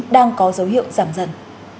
đang có dấu hiệu giảm dần